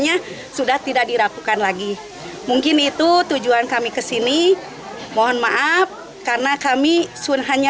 yang di mana kita terima kasih